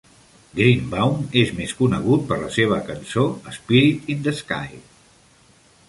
Greenbaum és més conegut per la seva cançó "Spirit in the Sky".